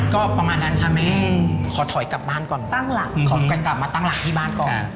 ก็ประมาณนั้นครับเม่ขอถอยกลับบ้านก่อนขอคอยกลับมาตั้งหลักที่บ้านก่อน